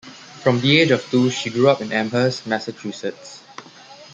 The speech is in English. From the age of two, she grew up in Amherst, Massachusetts.